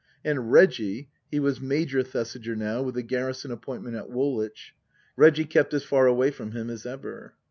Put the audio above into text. And Reggie (he was Major Thesiger now, with a garrison appoint ment at Woolwich), Reggie kept as far away from him as ever.